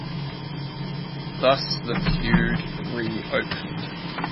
Thus the feud reopened.